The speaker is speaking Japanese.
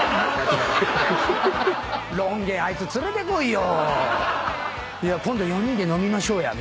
ロン毛あいつ連れてこいよ！